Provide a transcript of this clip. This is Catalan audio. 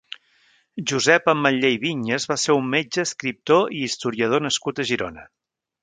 Josep Ametller i Viñas va ser un metge, escriptor i historiador nascut a Girona.